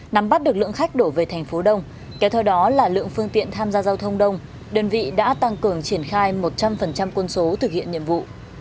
nắm bắt được lượng khách đổ về thành phố đông kéo theo đó là lượng phương tiện tham gia giao thông đông đơn vị đã tăng cường triển khai một trăm linh quân số thực hiện nhiệm vụ